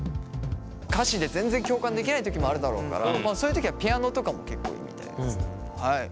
歌詞で全然共感できない時もあるだろうからそういう時はピアノとかも結構いいみたいです。